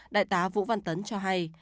đại tá vũ văn tấn cho hay